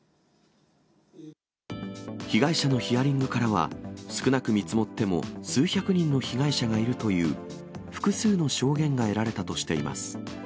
被害者のヒアリングからは、少なく見積もっても数百人の被害者がいるという、複数の証言が得られたとしています。